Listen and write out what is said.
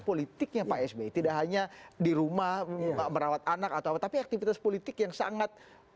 politiknya pak sby tidak hanya di rumah merawat anak atau tapi aktivitas politik yang sangat